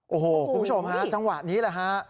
โอ้โหคุณผู้ชมฮะจังหวะนี้แหละฮะ